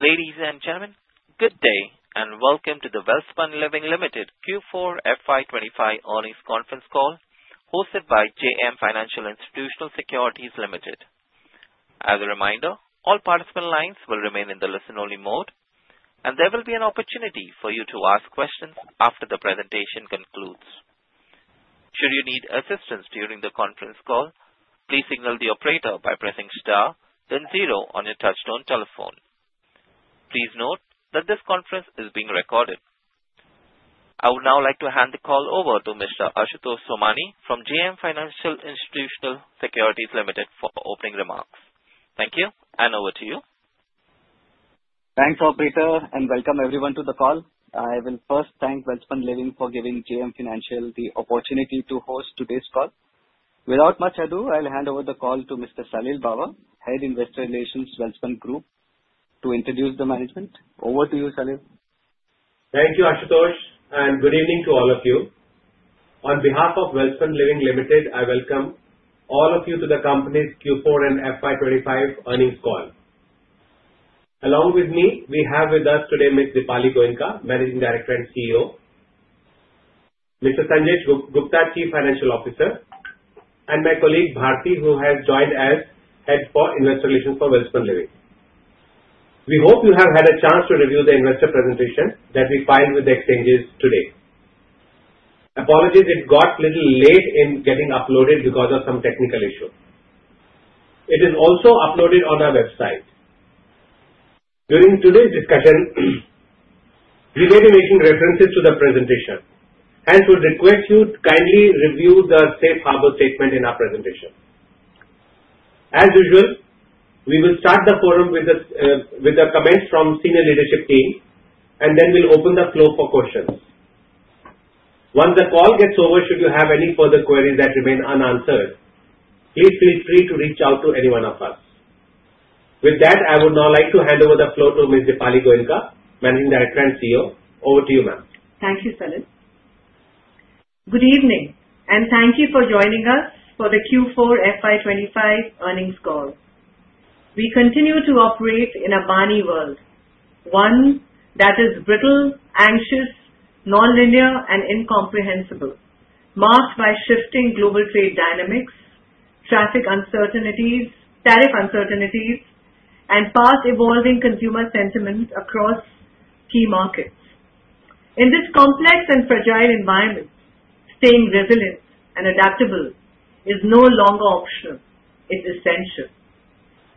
Ladies and gentlemen, good day and welcome to the Welspun Living Limited Q4 FY 2025 earnings conference call hosted by JM Financial Institutional Securities Limited. As a reminder, all participant lines will remain in the listen-only mode, and there will be an opportunity for you to ask questions after the presentation concludes. Should you need assistance during the conference call, please signal the operator by pressing star, then zero on your touch-tone telephone. Please note that this conference is being recorded. I would now like to hand the call over to Mr. Ashutosh Somani from JM Financial Institutional Securities Limited for opening remarks. Thank you, and over to you. Thanks, Operator, and welcome everyone to the call. I will first thank Welspun Living for giving JM Financial the opportunity to host today's call. Without much ado, I'll hand over the call to Mr. Salil Bawa, Head Investor Relations at Welspun Group, to introduce the management. Over to you, Salil. Thank you, Ashutosh, and good evening to all of you. On behalf of Welspun Living Limited, I welcome all of you to the company's Q4 and FY 2025 earnings call. Along with me, we have with us today Ms. Deepali Goenka, Managing Director and CEO, Mr. Sanjay Gupta, Chief Financial Officer, and my colleague Bharti, who has joined as Head for Investor Relations for Welspun Living. We hope you have had a chance to review the investor presentation that we filed with the exchanges today. Apologies, it got a little late in getting uploaded because of some technical issue. It is also uploaded on our website. During today's discussion, we may be making references to the presentation. Hence, we request you to kindly review the Safe Harbor Statement in our presentation. As usual, we will start the forum with the comments from the senior leadership team, and then we'll open the floor for questions. Once the call gets over, should you have any further queries that remain unanswered, please feel free to reach out to any one of us. With that, I would now like to hand over the floor to Ms. Deepali Goenka, Managing Director and CEO. Over to you, ma'am. Thank you, Salil. Good evening, and thank you for joining us for the Q4 FY 2025 earnings call. We continue to operate in a BANI world, one that is brittle, anxious, non-linear, and incomprehensible, marked by shifting global trade dynamics, traffic uncertainties, tariff uncertainties, and fast-evolving consumer sentiment across key markets. In this complex and fragile environment, staying resilient and adaptable is no longer optional. It's essential.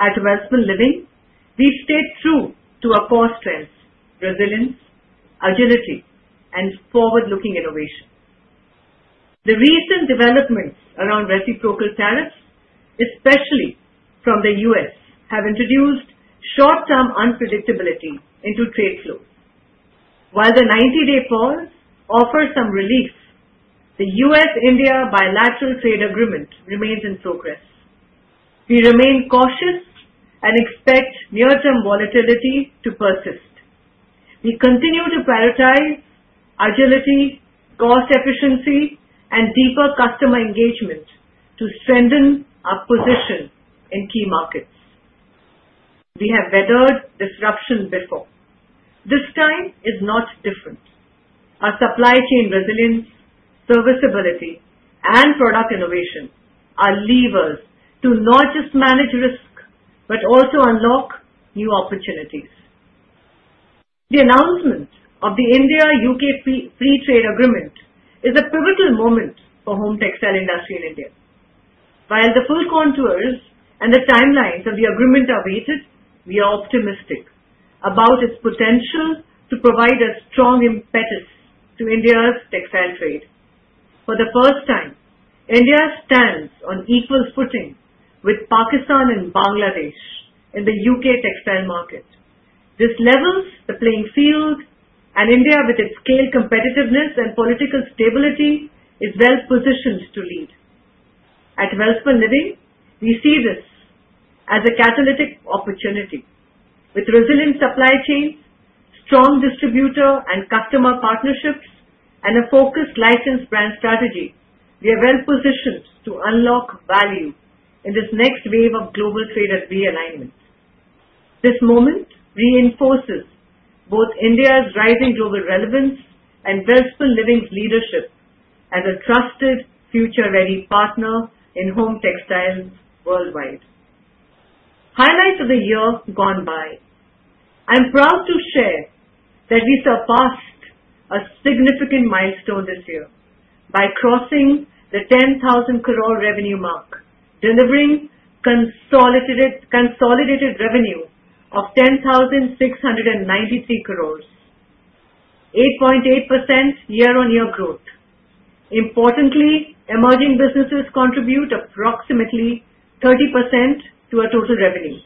At Welspun Living, we stay true to our core strengths: resilience, agility, and forward-looking innovation. The recent developments around reciprocal tariffs, especially from the U.S., have introduced short-term unpredictability into trade flows. While the 90 day pause offers some relief, the U.S.-India bilateral trade agreement remains in progress. We remain cautious and expect near-term volatility to persist. We continue to prioritize agility, cost efficiency, and deeper customer engagement to strengthen our position in key markets. We have weathered disruption before. This time is not different. Our supply chain resilience, serviceability, and product innovation are levers to not just manage risk but also unlock new opportunities. The announcement of the India-U.K. Free Trade Agreement is a pivotal moment for home textile industry in India. While the full contours and the timelines of the agreement are waited, we are optimistic about its potential to provide a strong impetus to India's textile trade. For the first time, India stands on equal footing with Pakistan and Bangladesh in the U.K. textile market. This levels the playing field, and India, with its scale competitiveness and political stability, is well positioned to lead. At Welspun Living, we see this as a catalytic opportunity. With resilient supply chains, strong distributor and customer partnerships, and a focused licensed brand strategy, we are well positioned to unlock value in this next wave of global trade realignment. This moment reinforces both India's rising global relevance and Welspun Living's leadership as a trusted, future-ready partner in home textiles worldwide. Highlights of the year gone by: I'm proud to share that we surpassed a significant milestone this year by crossing the 10,000 crore revenue mark, delivering consolidated revenue of 10,693 crores, 8.8% year-on-year growth. Importantly, emerging businesses contribute approximately 30% to our total revenue,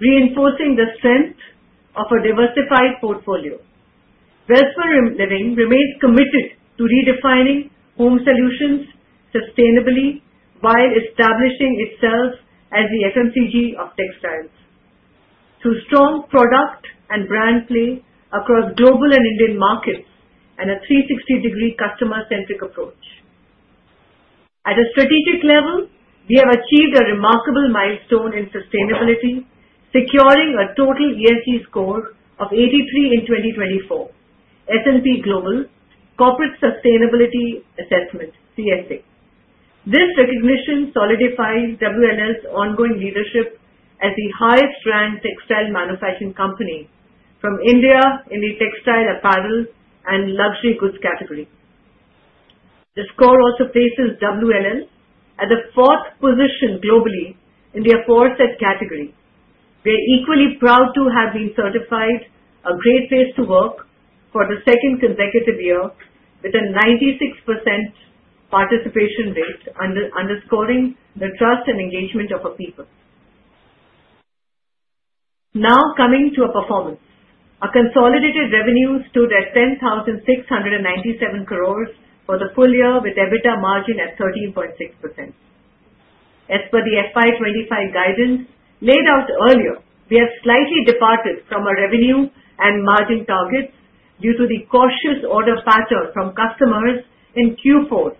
reinforcing the strength of our diversified portfolio. Welspun Living remains committed to redefining home solutions sustainably while establishing itself as the FMCG of textiles through strong product and brand play across global and Indian markets and a 360-degree customer-centric approach. At a strategic level, we have achieved a remarkable milestone in sustainability, securing a total ESG score of 83 in 2024, S&P Global Corporate Sustainability Assessment (CSA). This recognition solidifies WNL's ongoing leadership as the highest-ranked textile manufacturing company from India in the textile, apparel, and luxury goods category. The score also places WNL at the fourth position globally in the aforesaid category. We are equally proud to have been certified a Great Place to Work for the second consecutive year with a 96% participation rate, underscoring the trust and engagement of our people. Now coming to our performance, our consolidated revenue stood at 10,697 crores for the full year with EBITDA margin at 13.6%. As per the FY 2025 guidance laid out earlier, we have slightly departed from our revenue and margin targets due to the cautious order pattern from customers in Q4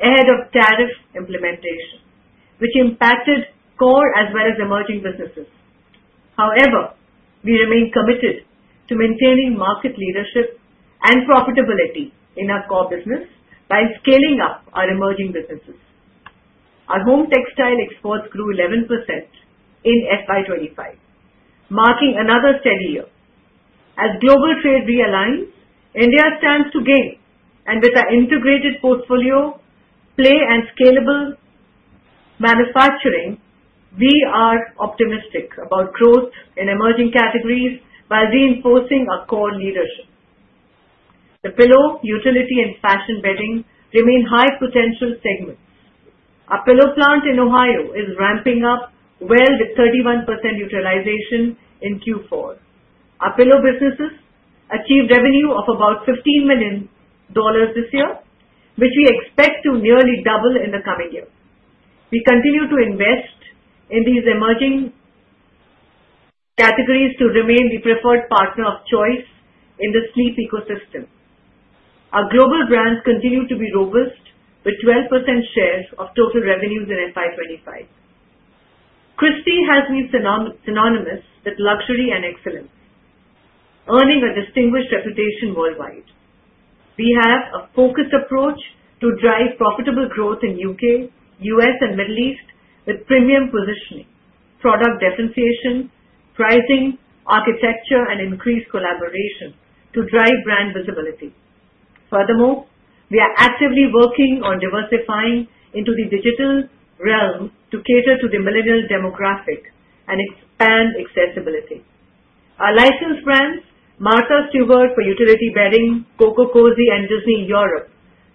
ahead of tariff implementation, which impacted core as well as emerging businesses. However, we remain committed to maintaining market leadership and profitability in our core business by scaling up our emerging businesses. Our home textile exports grew 11% in FY 2025, marking another steady year. As global trade realigns, India stands to gain, and with our integrated portfolio, play, and scalable manufacturing, we are optimistic about growth in emerging categories while reinforcing our core leadership. The pillow, utility, and fashion bedding remain high-potential segments. Our pillow plant in Ohio is ramping up well with 31% utilization in Q4. Our pillow businesses achieved revenue of about $15 million this year, which we expect to nearly double in the coming year. We continue to invest in these emerging categories to remain the preferred partner of choice in the sleep ecosystem. Our global brands continue to be robust with 12% share of total revenues in FY 2025. Christy has been synonymous with luxury and excellence, earning a distinguished reputation worldwide. We have a focused approach to drive profitable growth in the U.K., U.S., and Middle East with premium positioning, product differentiation, pricing, architecture, and increased collaboration to drive brand visibility. Furthermore, we are actively working on diversifying into the digital realm to cater to the millennial demographic and expand accessibility. Our licensed brands, Martha Stewart for utility bedding, Cococozy, and Disney Europe,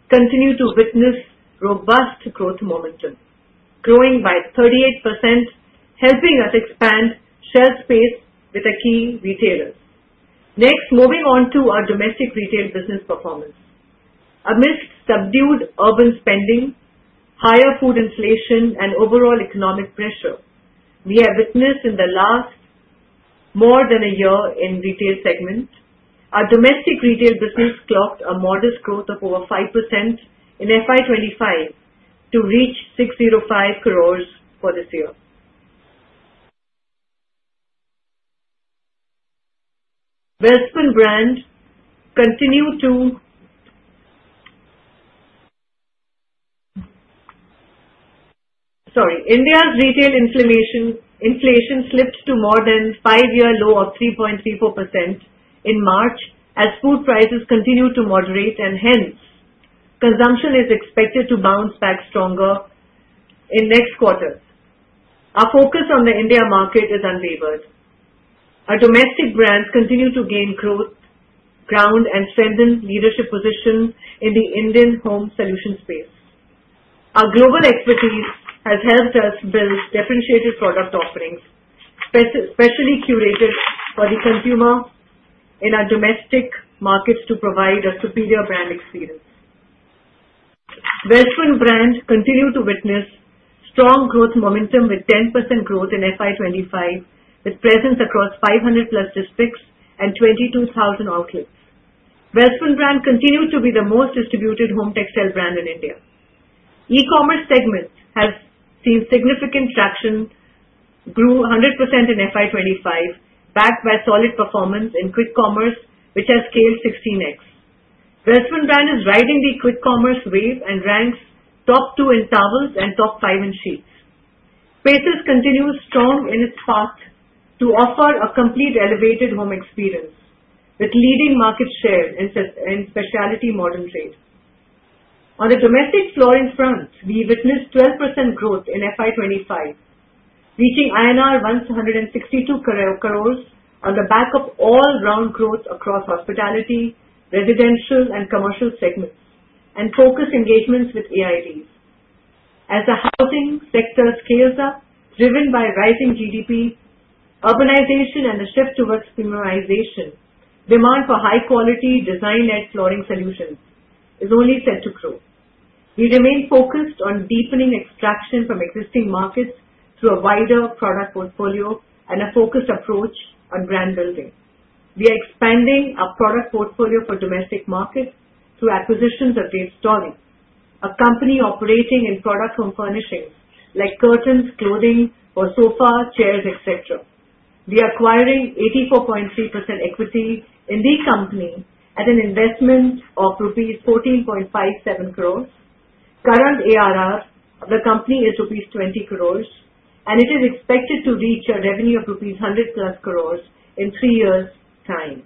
continue to witness robust growth momentum, growing by 38%, helping us expand shelf space with our key retailers. Next, moving on to our domestic retail business performance. Amidst subdued urban spending, higher food inflation, and overall economic pressure we have witnessed in the last more than a year in the retail segment, our domestic retail business clocked a modest growth of over 5% in FY 2025 to reach 605 crores for this year. India's retail inflation slipped to more than five-year low of 3.34% in March as food prices continued to moderate, and hence consumption is expected to bounce back stronger in next quarter. Our focus on the India market is unwavering. Our domestic brands continue to gain growth, ground, and strengthen leadership positions in the Indian home solution space. Our global expertise has helped us build differentiated product offerings, specially curated for the consumer in our domestic markets to provide a superior brand experience. Welspun Brand continued to witness strong growth momentum with 10% growth in FY 2025, with presence across 500+ districts and 22,000 outlets. Welspun Brand continued to be the most distributed home textile brand in India. E-commerce segment has seen significant traction, grew 100% in FY 2025, backed by solid performance in quick commerce, which has scaled 16x. Welspun Brand is riding the quick commerce wave and ranks top two in towels and top five in sheets. Spaces continues strong in its path to offer a complete elevated home experience with leading market share in specialty modern trade. On the domestic flooring in France, we witnessed 12% growth in FY 2025, reaching INR 162 crores on the back of all-round growth across hospitality, residential, and commercial segments, and focused engagements with A&ID. As the housing sector scales up, driven by rising GDP, urbanization, and the shift towards premiumization, demand for high-quality design-led flooring solutions is only set to grow. We remain focused on deepening extraction from existing markets through a wider product portfolio and a focused approach on brand building. We are expanding our product portfolio for domestic markets through acquisitions of Dave Story, a company operating in product home furnishings like curtains, clothing, or sofas, chairs, etc. We are acquiring 84.3% equity in the company at an investment of rupees 14.57 crores. Current ARR of the company is rupees 20 crores, and it is expected to reach a revenue of rupees 100+ crores in three years' time.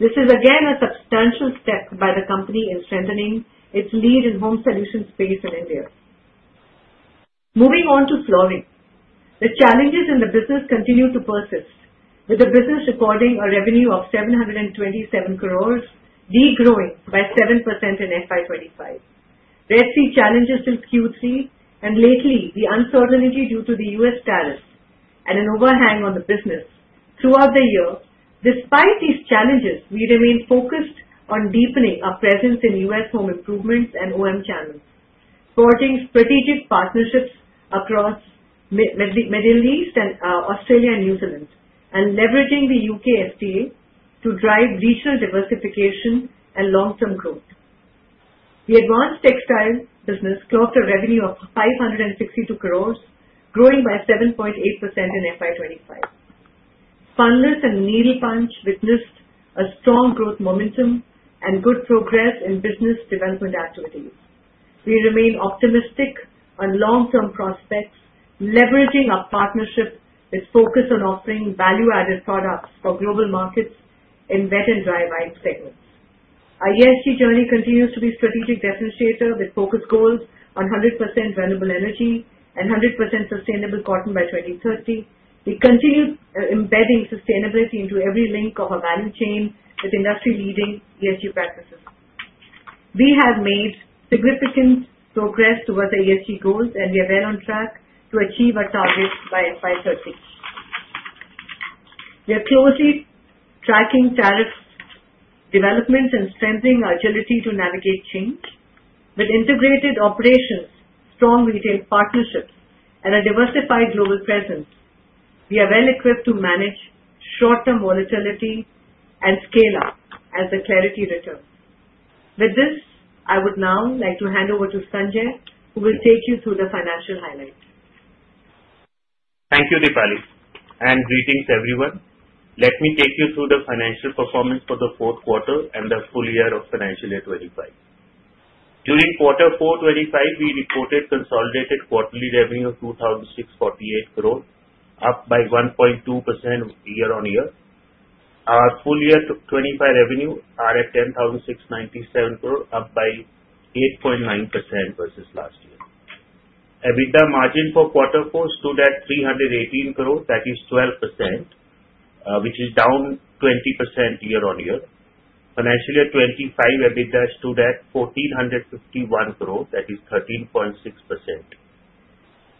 This is again a substantial step by the company in strengthening its lead in home solutions space in India. Moving on to flooring, the challenges in the business continue to persist, with the business recording a revenue of 727 crores, degrowing by 7% in FY 2025. We see challenges till Q3, and lately, the uncertainty due to the U.S. tariffs and an overhang on the business throughout the year. Despite these challenges, we remain focused on deepening our presence in U.S. home improvements and OEM channels, supporting strategic partnerships across the Middle East, Australia, and New Zealand, and leveraging the U.K. FTA to drive regional diversification and long-term growth. The advanced textile business clocked a revenue of 562 crore, growing by 7.8% in FY 2025. Spunlace and needle punch witnessed a strong growth momentum and good progress in business development activities. We remain optimistic on long-term prospects, leveraging our partnership with focus on offering value-added products for global markets in wet and dry wipes segments. Our ESG journey continues to be a strategic differentiator with focus goals on 100% renewable energy and 100% sustainable cotton by 2030. We continue embedding sustainability into every link of our value chain with industry-leading ESG practices. We have made significant progress towards our ESG goals, and we are well on track to achieve our targets by FY30. We are closely tracking tariff developments and strengthening our agility to navigate change. With integrated operations, strong retail partnerships, and a diversified global presence, we are well equipped to manage short-term volatility and scale up as the clarity returns. With this, I would now like to hand over to Sanjay, who will take you through the financial highlights. Thank you, Deepali, and greetings everyone. Let me take you through the financial performance for the fourth quarter and the full year of financial year 25. During quarter four 25, we reported consolidated quarterly revenue of 2,648 crore, up by 1.2% year-on-year. Our full year 25 revenue is at 10,697 crore, up by 8.9% versus last year. EBITDA margin for quarter four stood at 318 crore, that is 12%, which is down 20% year-on-year. Financial year 25 EBITDA stood at 1,451 crore, that is 13.6%.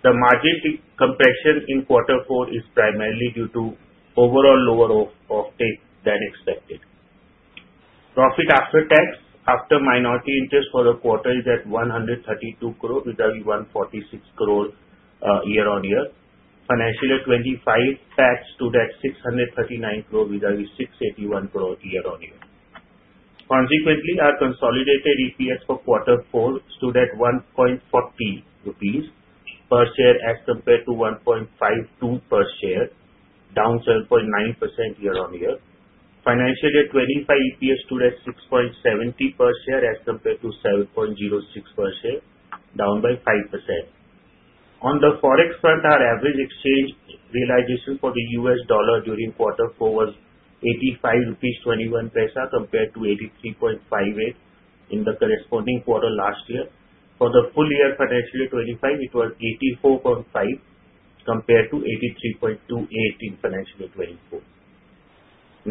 The margin compression in quarter four is primarily due to overall lower offtake than expected. Profit after tax, after minority interest for the quarter, is at 132 crore, with a 146 crore year-on-year. Financial year 25 PAT stood at 639 crore, with a 681 crore year-on-year. Consequently, our consolidated EPS for quarter four stood at 1.40 rupees per share as compared to 1.52 per share, down 7.9% year-on-year. Financial year 25 EPS stood at 6.70 per share as compared to 7.06 per share, down by 5%. On the forex front, our average exchange realization for the US dollar during quarter four was 85.21 rupees compared to 83.58 in the corresponding quarter last year. For the full year financial year 25, it was 84.5 compared to 83.28 in financial year 24.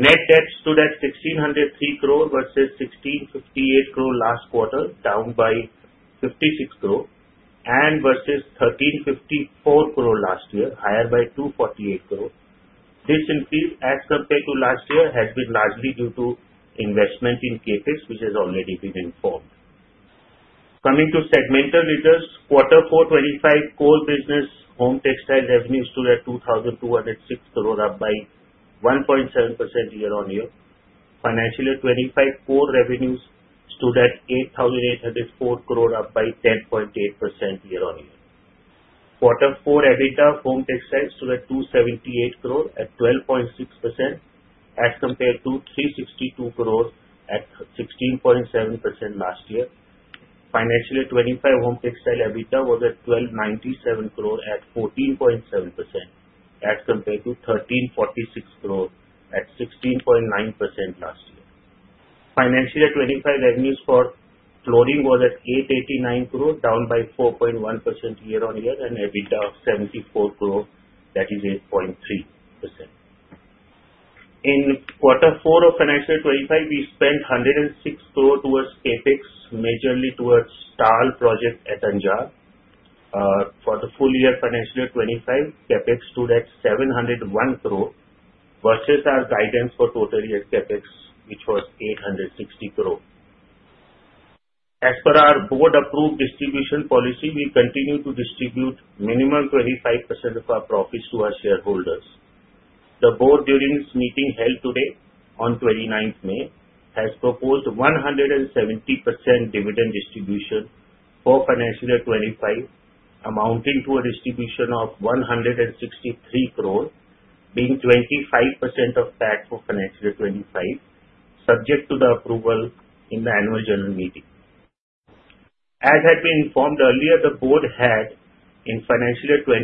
Net debt stood at 1,603 crore versus 1,658 crore last quarter, down by 56 crore, and versus 1,354 crore last year, higher by 248 crore. This increase as compared to last year has been largely due to investment in CapEx, which has already been informed. Coming to segmental results, quarter four 25 core business home textile revenue stood at 2,206 crore, up by 1.7% year-on-year. Financial year 25 core revenues stood at 8,804 crore, up by 10.8% year-on-year. Quarter four EBITDA of home textile stood at 278 crore, at 12.6% as compared to 362 crore, at 16.7% last year. Financial year 25 home textile EBITDA was at 1,297 crore, at 14.7% as compared to 1,346 crore, at 16.9% last year. Financial year 25 revenues for flooring was at 889 crore, down by 4.1% year-on-year, and EBITDA of 74 crore, that is 8.3%. In quarter four of financial year 25, we spent INR 106 crore towards CapEx, majorly towards TAL project at Anjar. For the full year financial year 25, CapEx stood at 701 crore versus our guidance for total year CapEx, which was 860 crore. As per our board-approved distribution policy, we continue to distribute minimum 25% of our profits to our shareholders. The board, during its meeting held today on 29th May, has proposed 170% dividend distribution for financial year 25, amounting to a distribution of 163 crore, being 25% of that for financial year 25, subject to the approval in the annual general meeting. As had been informed earlier, the board had, in financial year 24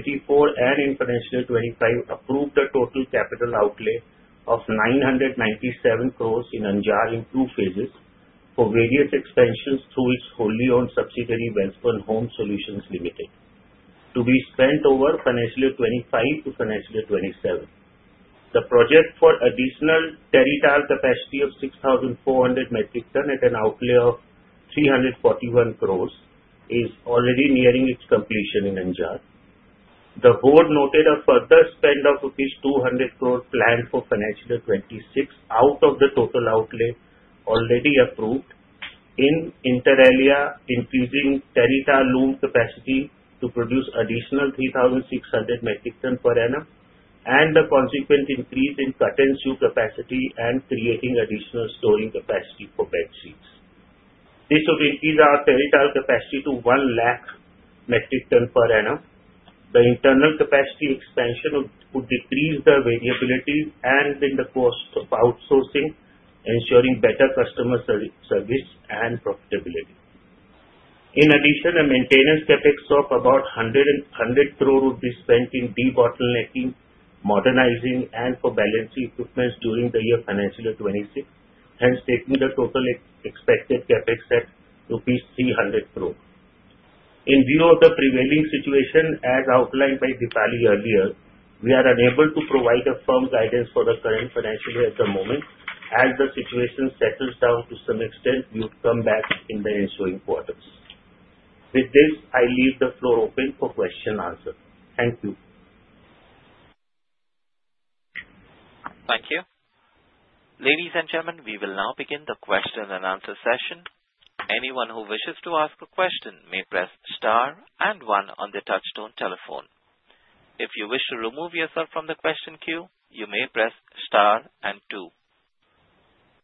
and in financial year 25, approved a total capital outlay of 997 crore in Anjar in two phases for various expansions through its wholly-owned subsidiary, Welspun Home Solutions Limited, to be spent over financial year 25 to financial year 27. The project for additional Terry towel capacity of 6,400 metric tons at an outlay of 341 crore is already nearing its completion in Anjar. The board noted a further spend of rupees 200 crore planned for financial year 2026 out of the total outlay already approved inter alia, increasing Terry towel loom capacity to produce additional 3,600 metric tons per annum, and the consequent increase in curtains capacity and creating additional storing capacity for bed sheets. This would increase our Terry towel capacity to 1,000,000 metric tons per annum. The internal capacity expansion would decrease the variability and in the cost of outsourcing, ensuring better customer service and profitability. In addition, a maintenance capex of about 100 crore would be spent in de-bottlenecking, modernizing, and for balancing equipment during the year financial year 2026, hence taking the total expected capex at rupees 300 crore. In view of the prevailing situation, as outlined by Deepali earlier, we are unable to provide a firm guidance for the current financial year at the moment. As the situation settles down to some extent, we will come back in the ensuing quarters. With this, I leave the floor open for question and answer. Thank you. Thank you. Ladies and gentlemen, we will now begin the question and answer session. Anyone who wishes to ask a question may press star and one on the touch-tone telephone. If you wish to remove yourself from the question queue, you may press star and two.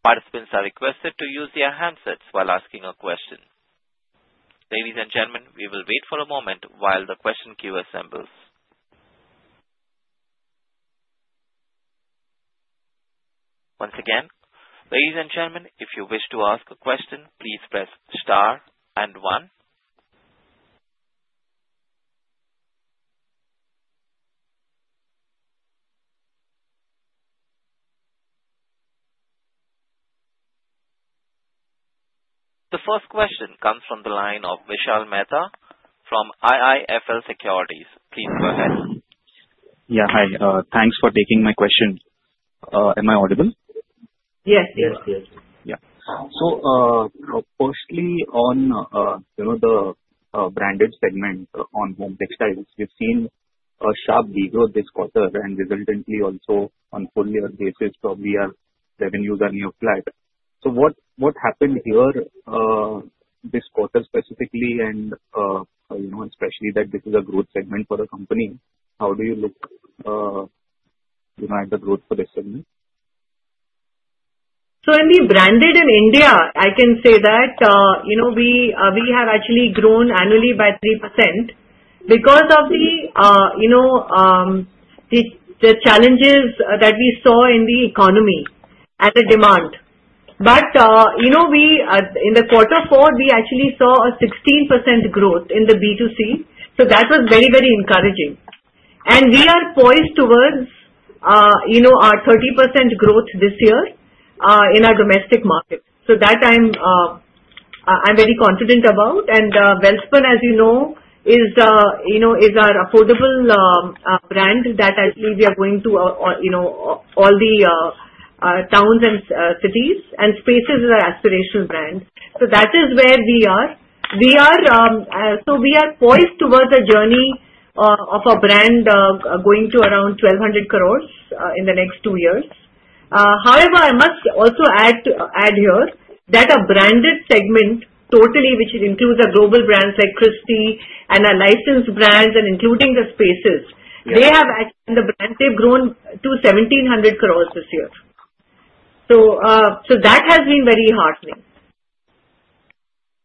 Participants are requested to use their handsets while asking a question. Ladies and gentlemen, we will wait for a moment while the question queue assembles. Once again, ladies and gentlemen, if you wish to ask a question, please press star and one. The first question comes from the line of Vishal Mehta from IIFL Securities. Please go ahead. Yeah, hi. Thanks for taking my question. Am I audible? Yes, yes, yes. Yeah. So firstly, on the branded segment on home textiles, we've seen a sharp re-growth this quarter and resultantly also on full year basis, our revenues are near flat. So what happened here this quarter specifically and especially that this is a growth segment for the company, how do you look at the growth for this segment? So in the branded in India, I can say that we have actually grown annually by 3% because of the challenges that we saw in the economy and the demand. But in the quarter four, we actually saw a 16% growth in the B2C. So that was very, very encouraging. And we are poised towards our 30% growth this year in our domestic market. So that I'm very confident about. And Welspun, as you know, is our affordable brand that actually we are going to all the towns and cities and Spaces as our aspirational brand. So that is where we are. So we are poised towards a journey of a brand going to around 1,200 crores in the next two years. However, I must also add here that a branded segment totally, which includes our global brands like Christy and our licensed brands and including the Spaces, they have actually the brand they've grown to 1,700 crores this year. So that has been very heartening.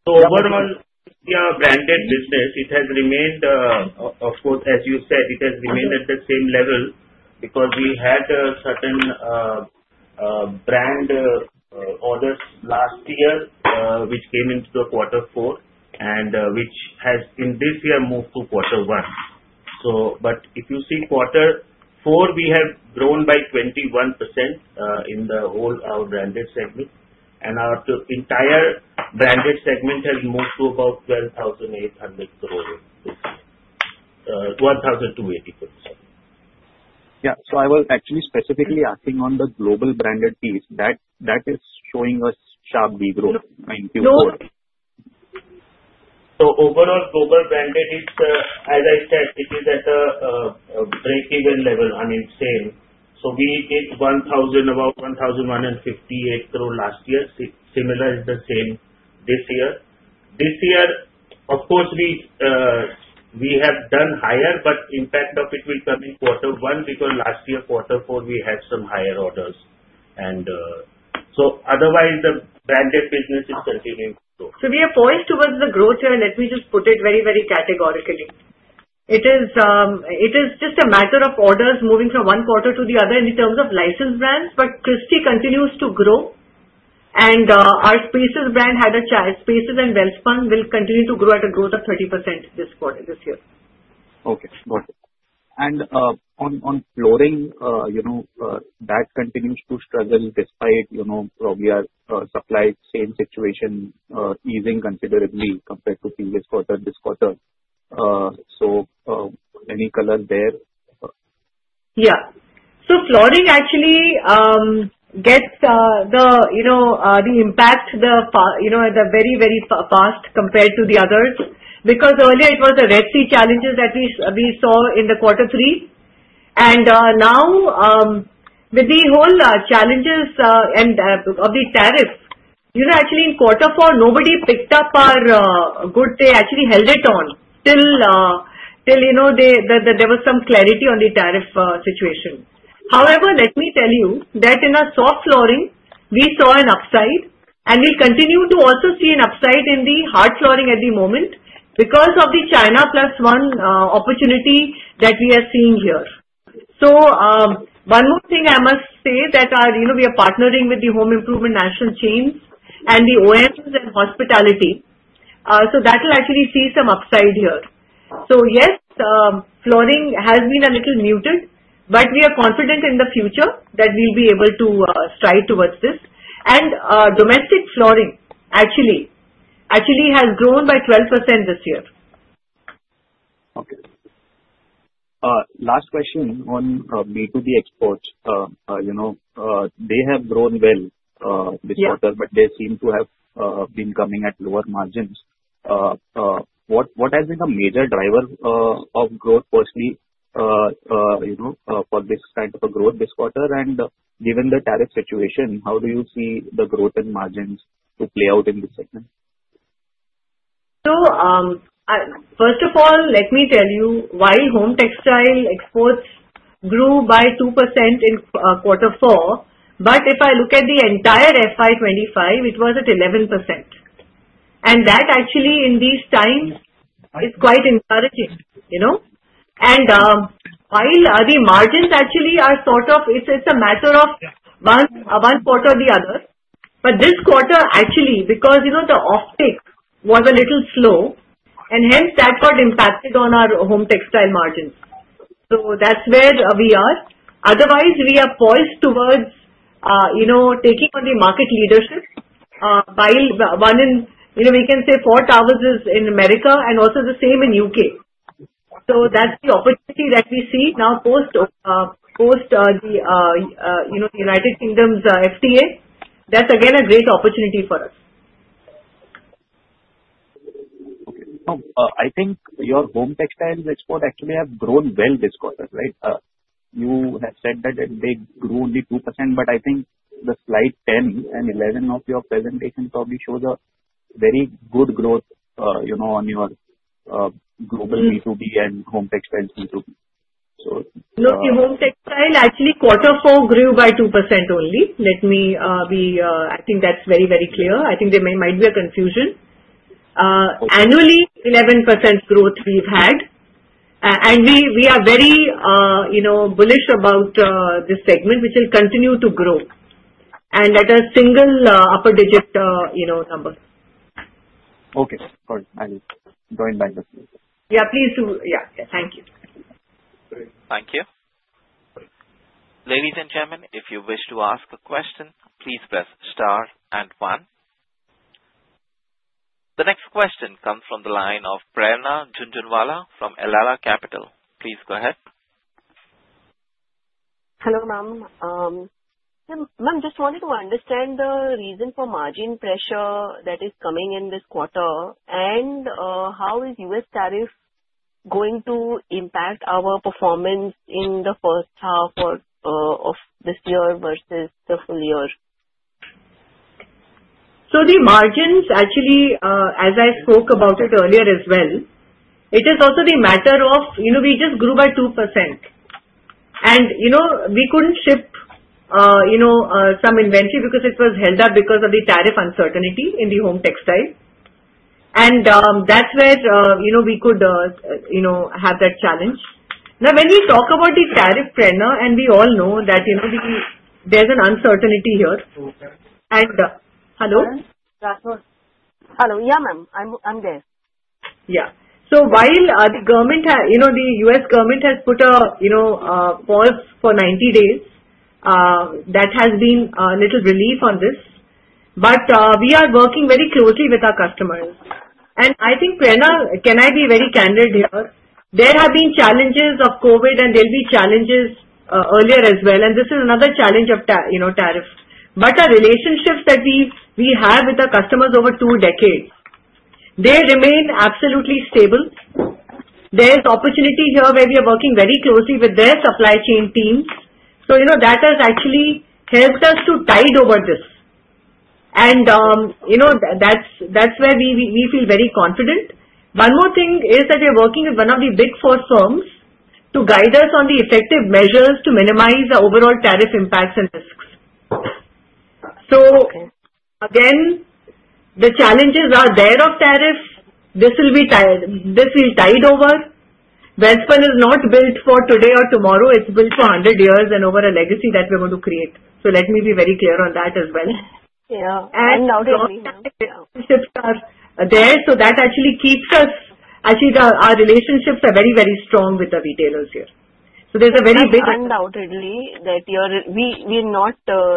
So overall, our branded business, it has remained, of course, as you said, it has remained at the same level because we had certain brand orders last year, which came into the quarter four and which has in this year moved to quarter one. But if you see quarter four, we have grown by 21% in the whole branded segment. And our entire branded segment has moved to about 1,280 crores. Yeah. So I was actually specifically asking on the global branded piece. That is showing us sharp de-growth. Thank you. So overall, global branded, as I said, it is at a break-even level uninstalled. So we hit about 1,158 crore last year. Similar is the same this year. This year, of course, we have done higher, but impact of it will come in quarter one because last year, quarter four, we had some higher orders. And so otherwise, the branded business is continuing to grow. So we are poised towards the growth here. Let me just put it very, very categorically. It is just a matter of orders moving from one quarter to the other in terms of licensed brands, but Christy continues to grow. And our Spaces brand had a chance. Spaces and Welspun will continue to grow at a growth of 30% this year. Okay. Got it. And on flooring, that continues to struggle despite our supply chain situation easing considerably compared to previous quarter and this quarter. So any color there? Yeah. So flooring actually gets the impact at the very, very fast compared to the others because earlier it was the Red Sea challenges that we saw in the quarter three. And now with the Houthi challenges and the tariff, actually in quarter four, nobody picked up our goods. They actually held it on till there was some clarity on the tariff situation. However, let me tell you that in our soft flooring, we saw an upside, and we'll continue to also see an upside in the hard flooring at the moment because of the China plus one opportunity that we are seeing here, so one more thing I must say that we are partnering with the home improvement national chains and the OEMs and hospitality, so that will actually see some upside here, so yes, flooring has been a little muted, but we are confident in the future that we'll be able to strive towards this, and domestic flooring actually has grown by 12% this year. Okay. Last question on B2B exports. They have grown well this quarter, but they seem to have been coming at lower margins. What has been a major driver of growth personally for this kind of a growth this quarter? And given the tariff situation, how do you see the growth and margins to play out in this segment? So first of all, let me tell you, while home textiles exports grew by 2% in quarter four, but if I look at the entire FY 2025, it was at 11%. And that actually in these times is quite encouraging. And while the margins actually are sort of, it's a matter of one quarter or the other. But this quarter actually, because the offtake was a little slow, and hence that got impacted on our home textiles margins. So that's where we are. Otherwise, we are poised towards taking on the market leadership while one in we can say four towels is in America and also the same in U.K. So that's the opportunity that we see now post the United Kingdom's FTA. That's again a great opportunity for us. I think your home textile export actually has grown well this quarter, right? You have said that they grew only 2%, but I think the slide 10 and 11 of your presentation probably shows a very good growth on your global B2B and home textile B2B. So look, the home textile actually quarter four grew by 2% only. Let me be, I think that's very, very clear. I think there might be a confusion. Annually, 11% growth we've had. And we are very bullish about this segment, which will continue to grow. And that is single upper digit number. Okay. Sorry. Join back. Yeah, please do. Yeah. Thank you. Thank you. Ladies and gentlemen, if you wish to ask a question, please press star and one. The next question comes from the line of Prerna Jhunjhunwala from Elara Capital. Please go ahead. Hello, ma'am. Ma'am, just wanted to understand the reason for margin pressure that is coming in this quarter and how is U.S. tariff going to impact our performance in the first half of this year versus the full year? So the margins actually, as I spoke about it earlier as well, it is also the matter of we just grew by 2%. And we couldn't ship some inventory because it was held up because of the tariff uncertainty in the home textile. And that's where we could have that challenge. Now, when we talk about the tariff, Prerna, and we all know that there's an uncertainty here. And hello? Hello. Yeah, ma'am. I'm there. Yeah. So while the government, the U.S. government has put a pause for 90 days, that has been a little relief on this. But we are working very closely with our customers. And I think, Prerna, can I be very candid here? There have been challenges of COVID, and there will be challenges earlier as well. And this is another challenge of tariff. But the relationships that we have with our customers over two decades, they remain absolutely stable. There is opportunity here where we are working very closely with their supply chain team. So that has actually helped us to tide over this. And that's where we feel very confident. One more thing is that we are working with one of the Big Four firms to guide us on the effective measures to minimize the overall tariff impacts and risks. So again, the challenges are there of tariff. This will tide over. Welspun is not built for today or tomorrow. It's built for 100 years and over a legacy that we're going to create. Let me be very clear on that as well. And shops are there. So that actually keeps our relationships very, very strong with the retailers here. So there's undoubtedly that we're not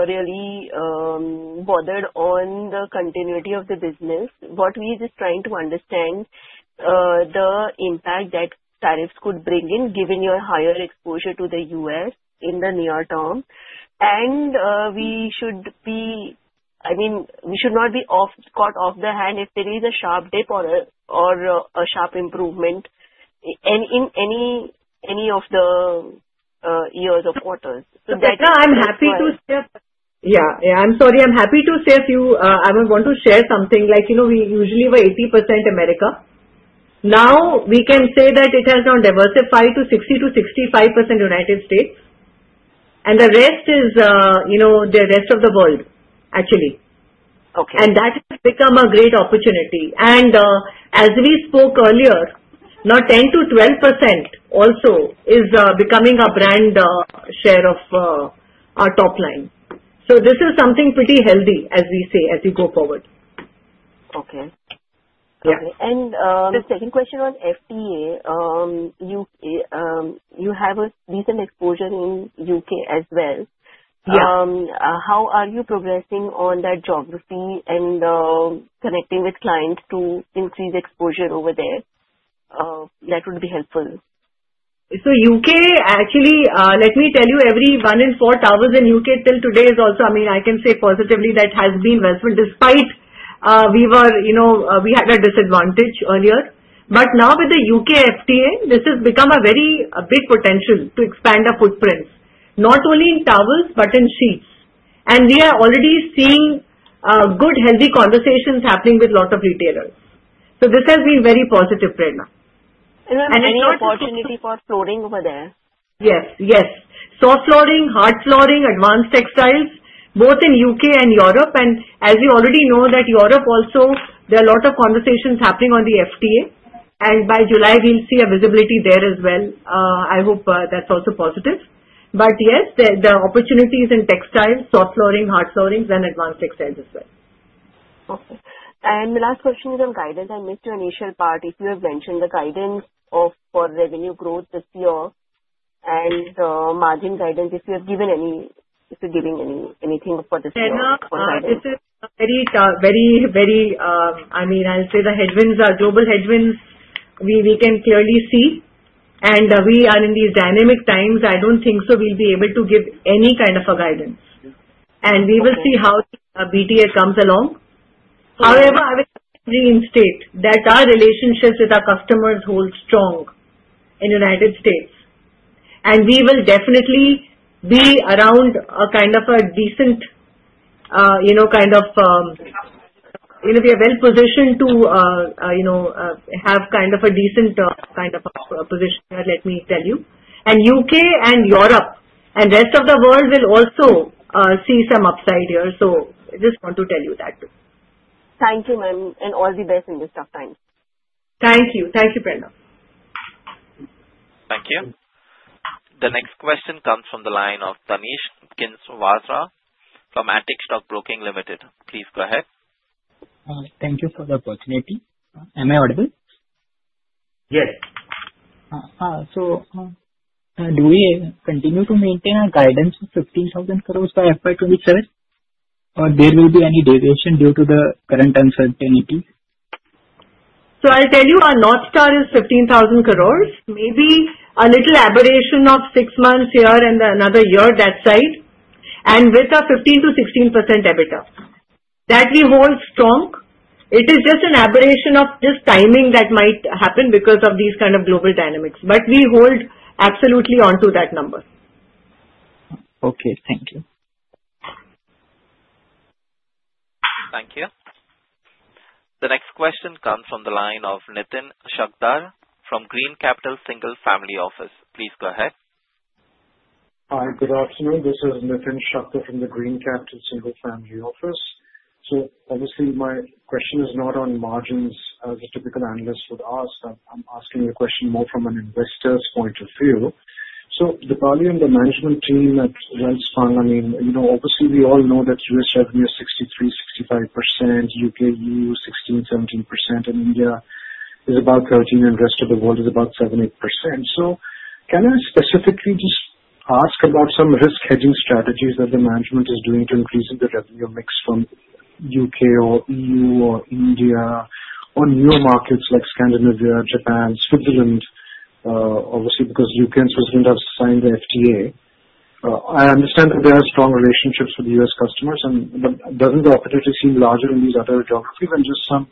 really bothered on the continuity of the business. What we are just trying to understand the impact that tariffs could bring in, given your higher exposure to the U.S. in the near term. And we should be, I mean, we should not be caught off guard if there is a sharp dip or a sharp improvement in any of the years or quarters. That's why I'm happy to share. Yeah. Yeah. I'm sorry. I'm happy to share a few. I want to share something. We usually were 80% America. Now we can say that it has now diversified to 60%-65% United States. The rest is the rest of the world, actually. That has become a great opportunity. As we spoke earlier, now 10%-12% also is becoming a brand share of our top line. This is something pretty healthy, as we say, as we go forward. Okay. The second question was FTA. You have a decent exposure in U.K. as well. How are you progressing on that geography and connecting with clients to increase exposure over there? That would be helpful. U.K., actually, let me tell you, one in every four towels in the U.K. till today is, I mean, I can say positively, Welspun despite we had a disadvantage earlier. But now with the U.K. FTA, this has become a very big potential to expand our footprint, not only in towels but in sheets. And we are already seeing good, healthy conversations happening with a lot of retailers. So this has been very positive, Prerna. And any opportunity for flooring over there? Yes. Yes. Soft flooring, hard flooring, advanced textiles, both in U.K. and Europe. And as you already know that Europe, also there are a lot of conversations happening on the FTA. And by July, we'll see a visibility there as well. I hope that's also positive. But yes, the opportunities in textiles, soft flooring, hard flooring, then advanced textiles as well. Okay. The last question is on guidance. I missed your initial part. If you have mentioned the guidance for revenue growth this year and margin guidance, if you have given any if you're giving anything for this year. Prerna, this is very, very. I mean, I'll say the headwinds, global headwinds, we can clearly see. We are in these dynamic times. I don't think so we'll be able to give any kind of a guidance. We will see how BTA comes along. However, I will reinstate that our relationships with our customers hold strong in the United States. We will definitely be around a kind of a decent kind of we are well positioned to have kind of a decent kind of a position, let me tell you. The U.K. and Europe and rest of the world will also see some upside here. So I just want to tell you that too. Thank you, ma'am. And all the best in this tough time. Thank you. Thank you, Prerna. Thank you. The next question comes from the line of Tanish Kinsara from Antique Stock Broking Limited. Please go ahead. Thank you for the opportunity. Am I audible? Yes. So do we continue to maintain our guidance of 15,000 crore by FY27? Or there will be any deviation due to the current uncertainty? So I'll tell you, our North Star is 15,000 crore. Maybe a little aberration of six months here and another year that side. And with a 15%-16% EBITDA. That we hold strong. It is just an aberration of just timing that might happen because of these kind of global dynamics. But we hold absolutely onto that number. Okay. Thank you. Thank you. The next question comes from the line of Nitin Shakdher from Green Capital Single Family Office. Please go ahead. Hi. Good afternoon. This is Nitin Shakdher from the Green Capital Single Family Office. So obviously, my question is not on margins as a typical analyst would ask. I'm asking a question more from an investor's point of view. So the value and the management team at Welspun, I mean, obviously, we all know that U.S. revenue is 63%-65%. U.K. EU 16%-17%. And India is about 13%, and the rest of the world is about 7%-8%. So can I specifically just ask about some risk-hedging strategies that the management is doing to increase the revenue mix from U.K. or EU or India or newer markets like Scandinavia, Japan, Switzerland? Obviously, because U.K. and Switzerland have signed the FTA, I understand that there are strong relationships with U.S. customers. But doesn't the opportunity seem larger in these other geographies than just some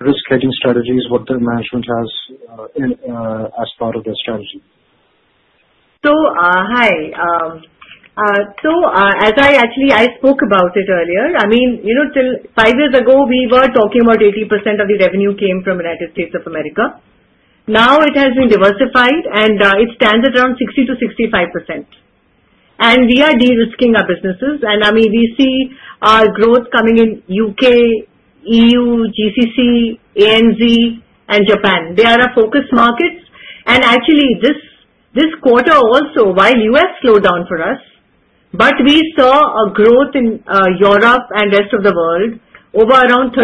risk-hedging strategies what the management has as part of their strategy? So hi. So as I actually spoke about it earlier. I mean, till five years ago, we were talking about 80% of the revenue came from United States of America. Now it has been diversified, and it stands at around 60%-65%. And we are de-risking our businesses. And I mean, we see our growth coming in U.K., EU, GCC, ANZ, and Japan. They are our focus markets. And actually, this quarter also, while U.S. slowed down for us, but we saw a growth in Europe and rest of the world over around 30%.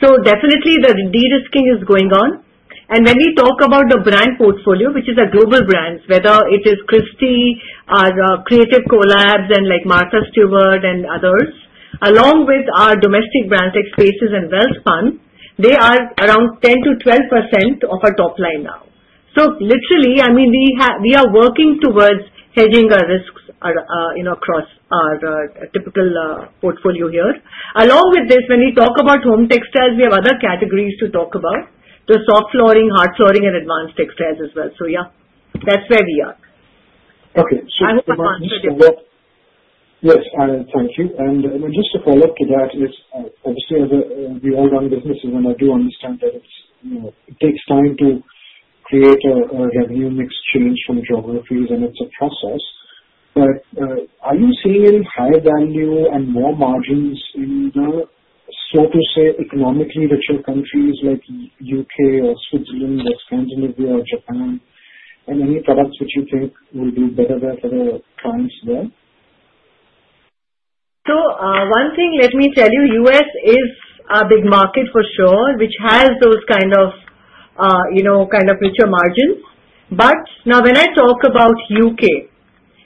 So definitely, the de-risking is going on. When we talk about the brand portfolio, which is our global brands, whether it is Christy or Creative Collabs and Martha Stewart and others, along with our domestic brand Spaces and Welspun, they are around 10%-12% of our top line now. So literally, I mean, we are working towards hedging our risks across our typical portfolio here. Along with this, when we talk about home textiles, we have other categories to talk about, the soft flooring, hard flooring, and advanced textiles as well. So yeah, that's where we are. Okay. I will advance a bit. Yes. Thank you. Just to follow up to that, obviously, as we all run businesses, and I do understand that it takes time to create a revenue mix change from geographies, and it's a process. But are you seeing any higher value and more margins in the, so to say, economically richer countries like U.K. or Switzerland or Scandinavia or Japan and any products which you think will do better there for the clients there? So one thing, let me tell you, U.S. is a big market for sure, which has those kind of kind of richer margins. But now when I talk about U.K.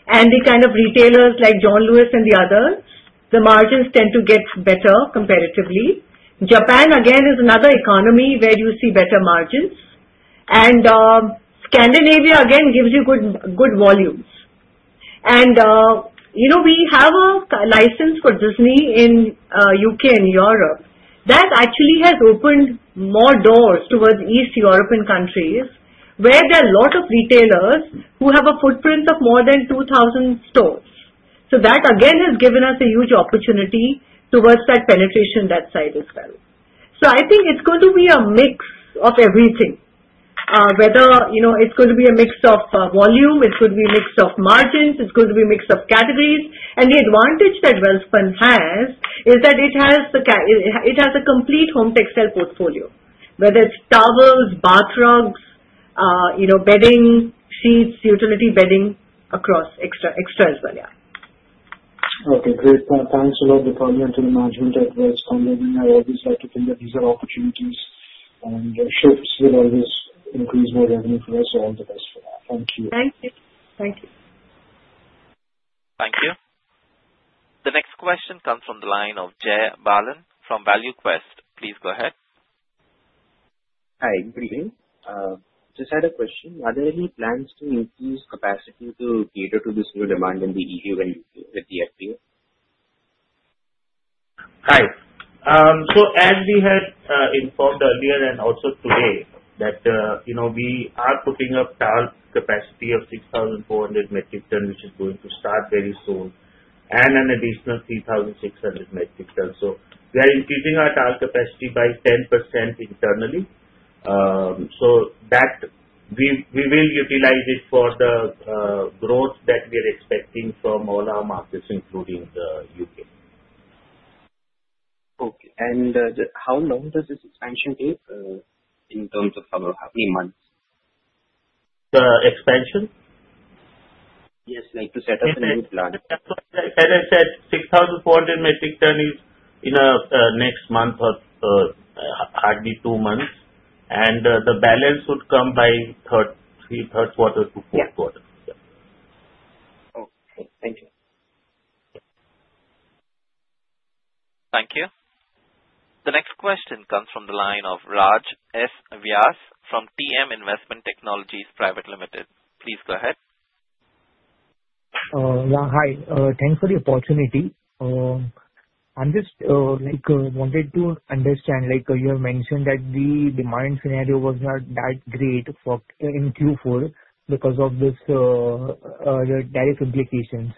and the kind of retailers like John Lewis and the others, the margins tend to get better comparatively. Japan, again, is another economy where you see better margins. And Scandinavia, again, gives you good volumes. And we have a license for Disney in U.K. and Europe. That actually has opened more doors towards East European countries where there are a lot of retailers who have a footprint of more than 2,000 stores. So that, again, has given us a huge opportunity towards that penetration that side as well. So I think it's going to be a mix of everything. Whether it's going to be a mix of volume, it's going to be a mix of margins, it's going to be a mix of categories. And the advantage that Welspun has is that it has a complete home textile portfolio, whether it's towels, bath rugs, bedding, sheets, utility bedding across exports as well. Yeah. Okay. Great point. Thanks a lot, Prana, to the management at Welspun. I always like to think that these are opportunities, and shifts will always increase more revenue for us. So all the best for that. Thank you. Thank you. Thank you. Thank you. The next question comes from the line of Jai Balan from ValueQuest. Please go ahead. Hi. Good evening. Just had a question. Are there any plans to increase capacity to cater to this new demand in the EU and UK with the FTA? Hi. So as we had informed earlier and also today that we are putting up towel capacity of 6,400 metric tons, which is going to start very soon, and an additional 3,600 metric tons. So we are increasing our towel capacity by 10% internally. So we will utilize it for the growth that we are expecting from all our markets, including the UK. Okay. And how long does this expansion take in terms of how many months? The expansion? Yes. Like to set up a new plan. As I said, 6,400 metric tons in the next month or hardly two months. And the balance would come by third quarter to fourth quarter. Okay. Thank you. Thank you. The next question comes from the line of Raj S. Vyas. Vyas from TM Investment Technologies Private Limited. Please go ahead. Yeah. Hi. Thanks for the opportunity. I just wanted to understand. You have mentioned that the demand scenario was not that great in Q4 because of these direct implications,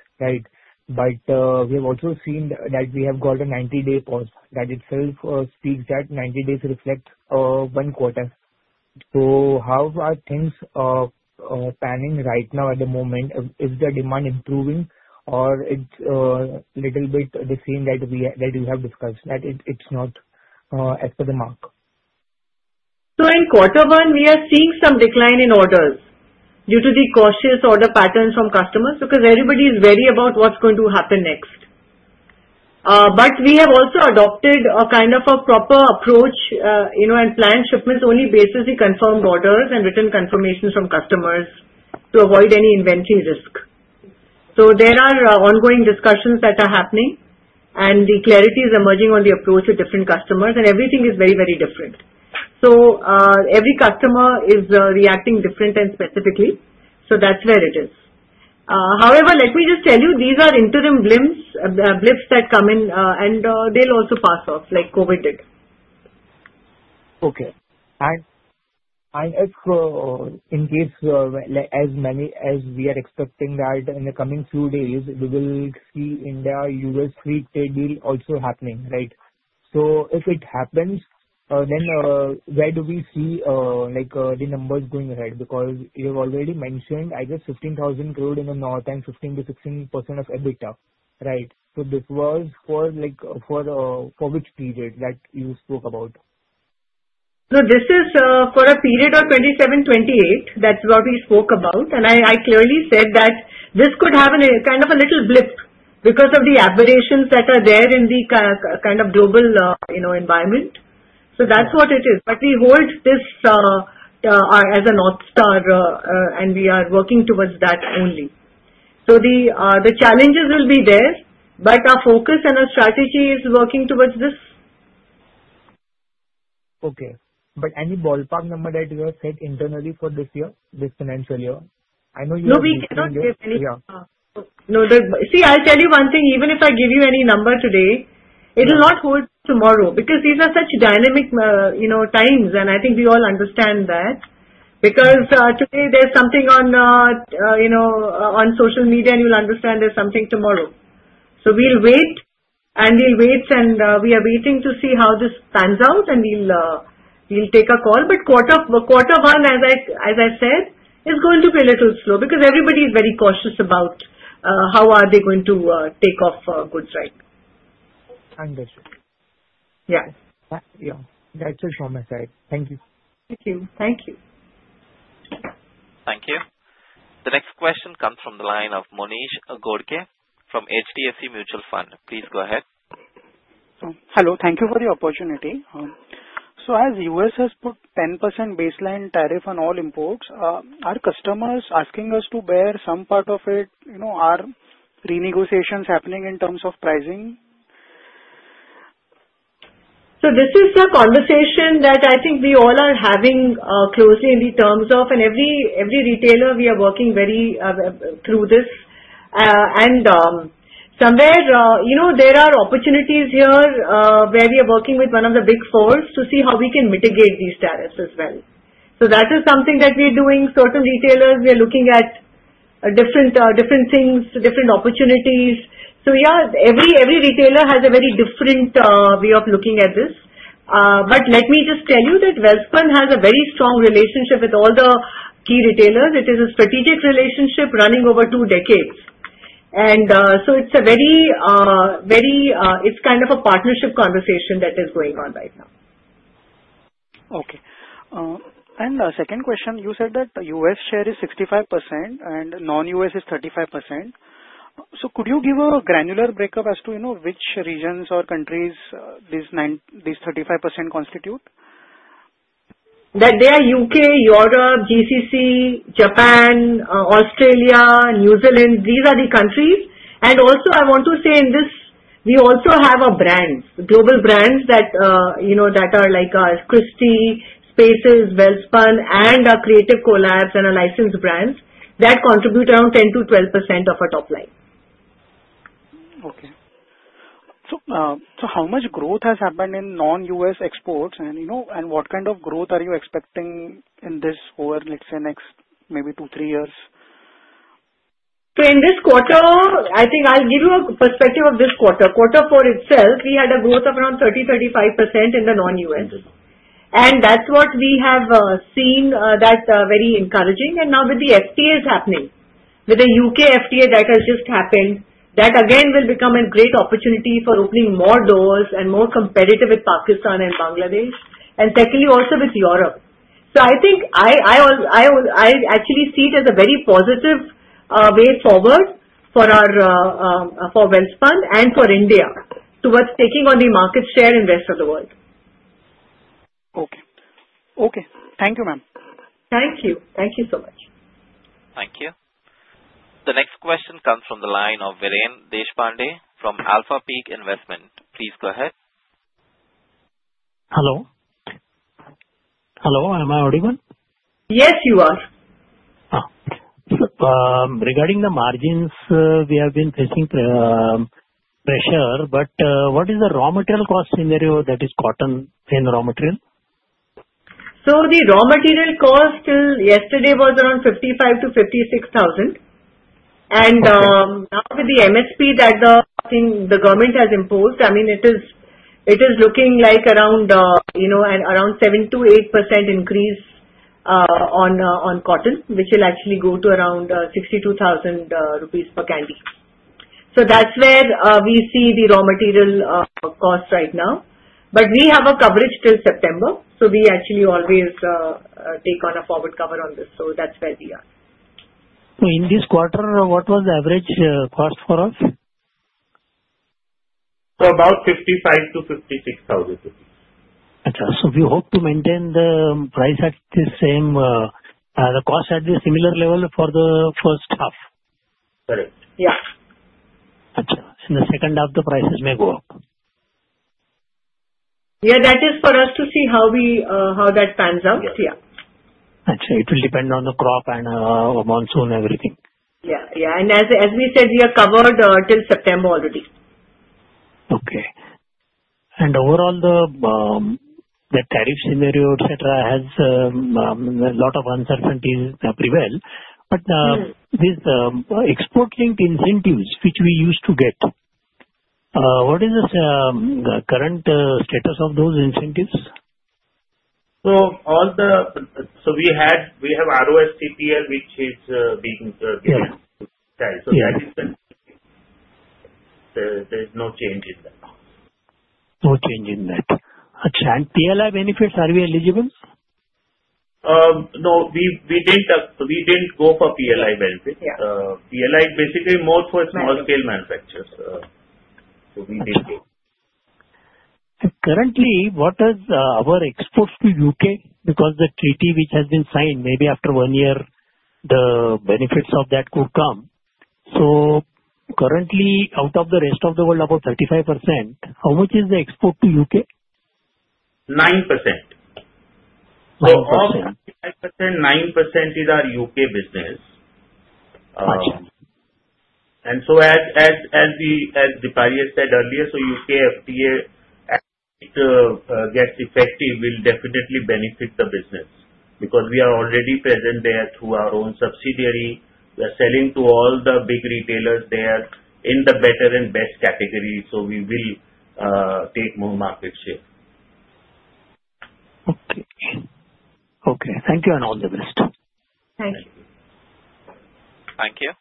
right? But we have also seen that we have got a 90-day pause. That itself speaks that 90 days reflect one quarter. So how are things panning right now at the moment? Is the demand improving, or it's a little bit the same that we have discussed, that it's not at the mark? So in quarter one, we are seeing some decline in orders due to the cautious order patterns from customers because everybody is wary about what's going to happen next. But we have also adopted a kind of a proper approach and planned shipments only based on the confirmed orders and written confirmations from customers to avoid any inventory risk. So there are ongoing discussions that are happening, and the clarity is emerging on the approach with different customers. And everything is very, very different. So every customer is reacting different and specifically. So that's where it is. However, let me just tell you, these are interim blips that come in, and they'll also pass off like COVID did. Okay. And if in case as many as we are expecting that in the coming few days, we will see India-U.S. Free Trade Deal also happening, right? So if it happens, then where do we see the numbers going ahead? Because you've already mentioned, I guess, 15,000 crore in the north and 15%-16% of EBITDA, right? So this was for which period that you spoke about? So this is for a period of 2027-2028. That's what we spoke about. And I clearly said that this could have a kind of a little blip because of the aberrations that are there in the kind of global environment. So that's what it is. But we hold this as a North Star, and we are working towards that only. So the challenges will be there, but our focus and our strategy is working towards this. Okay. But any ballpark number that you have set internally for this year, this financial year? I know you have a big year. No, we cannot give any yeah. No. See, I'll tell you one thing. Even if I give you any number today, it'll not hold tomorrow because these are such dynamic times. And I think we all understand that because today there's something on social media, and you'll understand there's something tomorrow. So we'll wait, and we'll wait, and we are waiting to see how this pans out, and we'll take a call. But quarter one, as I said, is going to be a little slow because everybody is very cautious about how are they going to take off goods, right? Understood. Yeah. Yeah. That's it from my side. Thank you. Thank you. Thank you. Thank you. The next question comes from the line of Monish Ghodke from HDFC Mutual Fund. Please go ahead. Hello. Thank you for the opportunity. So as U.S. has put 10% baseline tariff on all imports, are customers asking us to bear some part of it? Are renegotiations happening in terms of pricing? So, this is a conversation that I think we all are having closely in terms of, and every retailer we are working very through this. And somewhere, there are opportunities here where we are working with one of the Big Four to see how we can mitigate these tariffs as well. So that is something that we are doing. Certain retailers, we are looking at different things, different opportunities. So yeah, every retailer has a very different way of looking at this. But let me just tell you that Welspun has a very strong relationship with all the key retailers. It is a strategic relationship running over two decades. And so it's a very, very kind of a partnership conversation that is going on right now. Okay. And second question, you said that U.S. share is 65% and non-U.S. is 35%. Could you give a granular breakup as to which regions or countries these 35% constitute? They are U.K., Europe, GCC, Japan, Australia, New Zealand. These are the countries. And also, I want to say in this, we also have a brand, global brands that are like Christy, Spaces, Welspun, and Creative Collabs and our licensed brands that contribute around 10% to 12% of our top line. Okay. So how much growth has happened in non-U.S. exports, and what kind of growth are you expecting in this over, let's say, next maybe two, three years? So in this quarter, I think I'll give you a perspective of this quarter. Quarter four itself, we had a growth of around 30%-35% in the non-U.S. And that's what we have seen that very encouraging. And now with the FTAs happening, with the U.K. FTA that has just happened, that again will become a great opportunity for opening more doors and more competitive with Pakistan and Bangladesh, and secondly, also with Europe. So I think I actually see it as a very positive way forward for Welspun and for India towards taking on the market share in the rest of the world. Okay. Okay. Thank you, ma'am. Thank you. Thank you so much. Thank you. The next question comes from the line of Viren Deshpande from AlphaPeak Investment. Please go ahead. Hello. Hello. Am I audible? Yes, you are. Regarding the margins, we have been facing pressure, but what is the raw material cost scenario that is cotton and raw material? So the raw material cost yesterday was around 55,000-56,000. Now with the MSP that the government has imposed, I mean, it is looking like around 7%-8% increase on cotton, which will actually go to around 62,000 rupees per candy. So that's where we see the raw material cost right now. But we have a coverage till September, so we actually always take on a forward cover on this. So that's where we are. So in this quarter, what was the average cost for us? About 55,000-56,000 rupees. Okay. So we hope to maintain the price at the same the cost at the similar level for the first half. Correct. Yeah. Okay. In the second half, the prices may go up. Yeah. That is for us to see how that pans out. Yeah. Yeah. Actually, it will depend on the crop and monsoon and everything. Yeah. Yeah. As we said, we are covered till September already. Okay. Overall, the tariff scenario, etc., has a lot of uncertainties prevail. But these export-linked incentives, which we used to get, what is the current status of those incentives? So we have RoSCTL, which is being given. Yeah. So that is the no change in that. No change in that. Actually, and PLI benefits, are we eligible? No. We didn't go for PLI benefits. PLI is basically more for small-scale manufacturers. So we didn't go. Currently, what is our exports to U.K.? Because the treaty which has been signed, maybe after one year, the benefits of that could come. So currently, out of the rest of the world, about 35%. How much is the export to U.K.? 9%. So of the 35%, 9% is our U.K. business. As Deepali said earlier, UK FTA, as it gets effective, will definitely benefit the business because we are already present there through our own subsidiary. We are selling to all the big retailers there in the better and best category. So we will take more market share. Okay. Okay. Thank you and all the best. Thank you. Thank you.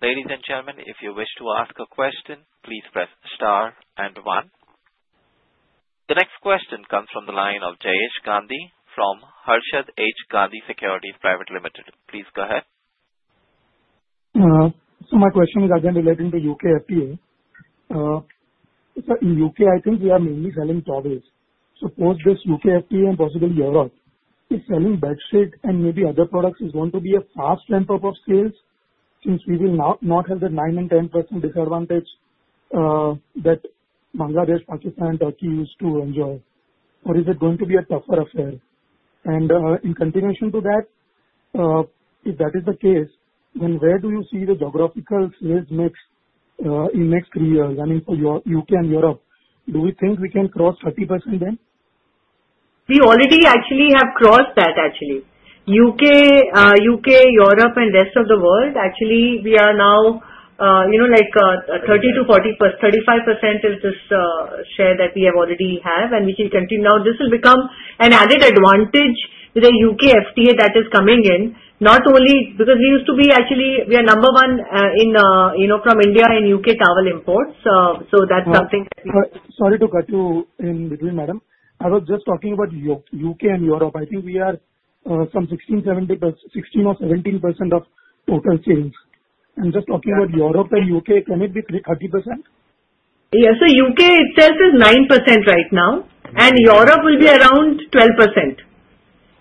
Ladies and gentlemen, if you wish to ask a question, please press star and one. The next question comes from the line of Jayesh Gandhi from Harshad H. Gandhi Securities Private Limited. Please go ahead. So my question is again relating to UK FTA. So in UK, I think we are mainly selling towels. Suppose this U.K. FTA and possibly Europe is selling bedsheet and maybe other products, is going to be a fast ramp-up of sales since we will not have the 9% and 10% disadvantage that Bangladesh, Pakistan, and Turkey used to enjoy? Or is it going to be a tougher affair, and in continuation to that, if that is the case, then where do you see the geographical sales mix in the next three years? I mean, for U.K. and Europe, do we think we can cross 30% then? We already actually have crossed that, actually. U.K., Europe, and rest of the world, actually, we are now like 30%-40%, 35% is this share that we have already have, and we can continue. Now, this will become an added advantage with the UK FTA that is coming in, not only because we used to be actually we are number one from India in UK towel imports. So that's something that we have. Sorry to cut you in between, madam. I was just talking about UK and Europe. I think we are some 16% or 17% of total sales. I'm just talking about Europe and UK. Can it be 30%? Yes. So UK itself is 9% right now, and Europe will be around 12%.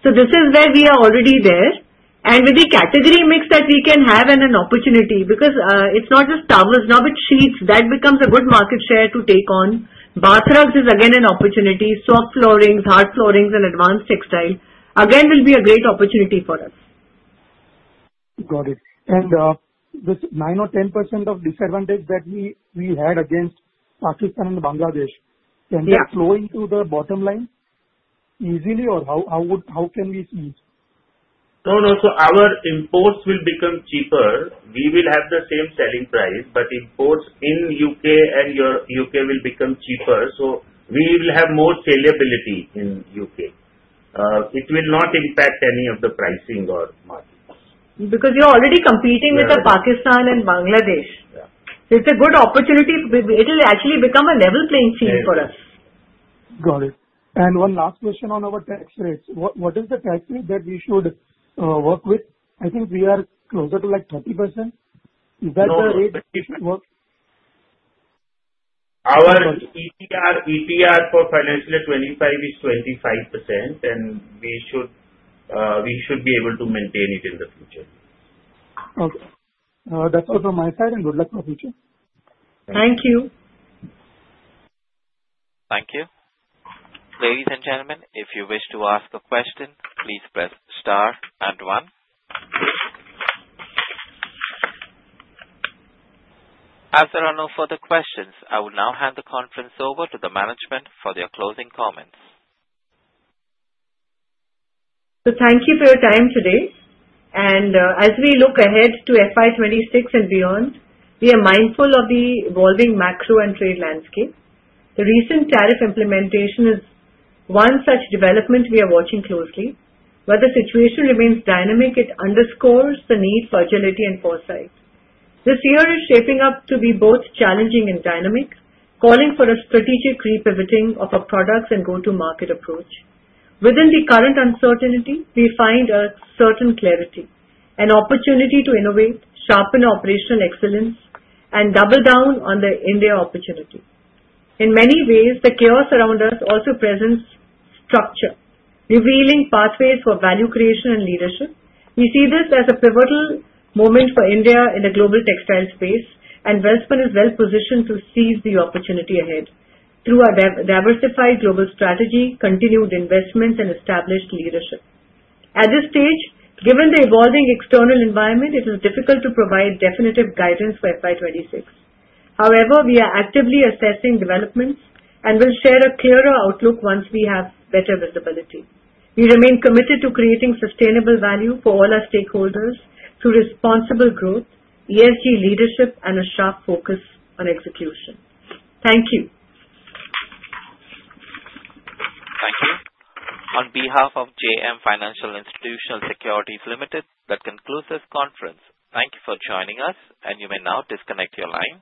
So this is where we are already there. And with the category mix that we can have and an opportunity because it's not just towels, now with sheets, that becomes a good market share to take on. Bath rugs is again an opportunity. Soft floorings, hard floorings, and advanced textile again will be a great opportunity for us. Got it. This 9% or 10% disadvantage that we had against Pakistan and Bangladesh, can that flow into the bottom line easily, or how can we see it? No, no. So our imports will become cheaper. We will have the same selling price, but imports in UK and EU will become cheaper. So we will have more saleability in UK. It will not impact any of the pricing or markets. Because we are already competing with Pakistan and Bangladesh. So it's a good opportunity. It will actually become a level playing field for us. Got it. And one last question on our tax rates. What is the tax rate that we should work with? I think we are closer to like 30%. Is that the rate we should work? Our ETR for financial year 2025 is 25%, and we should be able to maintain it in the future. Okay. That's all from my side, and good luck for the future. Thank you. Thank you. Ladies and gentlemen, if you wish to ask a question, please press star and one. As there are no further questions, I will now hand the conference over to the management for their closing comments. So thank you for your time today. And as we look ahead to FY 2026 and beyond, we are mindful of the evolving macro and trade landscape. The recent tariff implementation is one such development we are watching closely. Whether the situation remains dynamic, it underscores the need for agility and foresight. This year is shaping up to be both challenging and dynamic, calling for a strategic repivoting of our products and go-to-market approach. Within the current uncertainty, we find a certain clarity, an opportunity to innovate, sharpen operational excellence, and double down on the India opportunity. In many ways, the chaos around us also presents structure, revealing pathways for value creation and leadership. We see this as a pivotal moment for India in the global textile space, and Welspun is well-positioned to seize the opportunity ahead through our diversified global strategy, continued investments, and established leadership. At this stage, given the evolving external environment, it is difficult to provide definitive guidance for FY 2026. However, we are actively assessing developments and will share a clearer outlook once we have better visibility. We remain committed to creating sustainable value for all our stakeholders through responsible growth, ESG leadership, and a sharp focus on execution. Thank you. Thank you. On behalf of JM Financial Institutional Securities Limited, that concludes this conference. Thank you for joining us, and you may now disconnect your line.